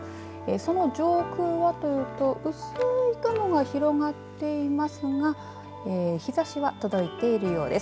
その上空はというと薄い雲が広がっていますが日ざしは届いているようです。